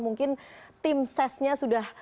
mungkin tim sesnya sudah